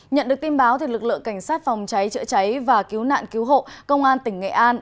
nhận được tin báo lực lượng cảnh sát phòng cháy chữa cháy và cứu nạn cứu hộ công an tỉnh nghệ an